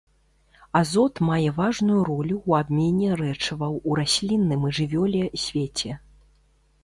Азот мае важную ролю ў абмене рэчываў у раслінным і жывёле свеце.